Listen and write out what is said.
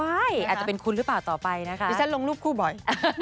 ใช่อาจจะเป็นคุณหรือเปล่าต่อไปนะคะดิฉันลงรูปคู่บ่อย